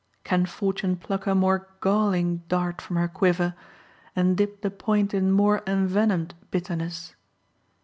Can Fortune pluck a more galling dart from her quiver, and dip the point in more envenomed bitterness?